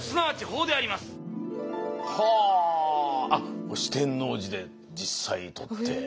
これ四天王寺で実際撮って。